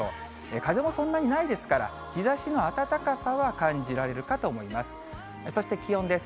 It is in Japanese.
風もそんなにないですから、日ざしの暖かさは感じられるかと思います。